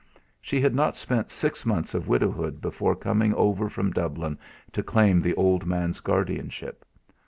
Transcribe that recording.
She had not spent six months of widowhood before coming over from Dublin to claim the old man's guardianship.